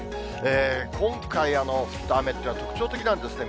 今回、降った雨というのは特徴的なんですね。